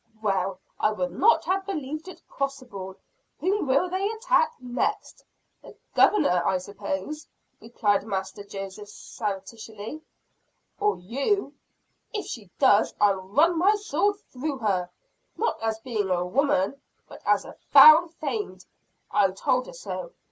"Well, I would not have believed it possible. Whom will they attack next?" "The Governor, I suppose," replied Master Joseph satirically. "Or you?" "If she does, I'll run my sword through her not as being a woman, but as a foul fiend. I told her so.